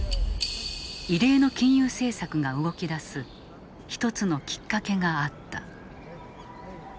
異例の金融政策が動き出す一つのきっかけがあった。